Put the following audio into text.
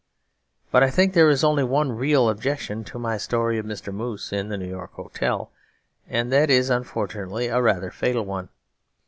But I think there is only one real objection to my story of Mr. Moose in the New York hotel. And that is unfortunately a rather fatal one.